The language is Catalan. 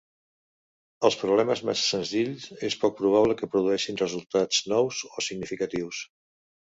Els problemes massa senzills és poc probable que produeixin resultats nous o significatius.